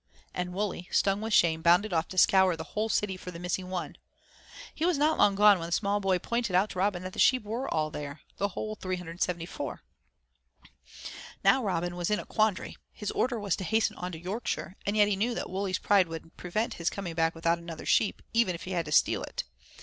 And Wully, stung with shame, bounded off to scour the whole city for the missing one. He was not long gone when a small boy pointed out to Robin that the sheep were all there, the whole 374. Now Robin was in a quandary. His order was to hasten on to Yorkshire, and yet he knew that Wully's pride would prevent his coming back without another sheep, even if he had to steal it.